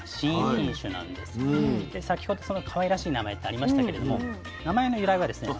で先ほどそのかわいらしい名前ってありましたけれども名前の由来はですね。